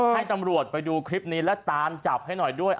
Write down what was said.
ให้ตำรวจไปดูคลิปนี้แล้วตามจับให้หน่อยด้วย